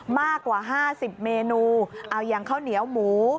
มากกว่า๕๐เมนูเอาอย่างข้าวเหนียวหมู